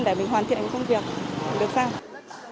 để mình hoàn thiện cái công việc được sao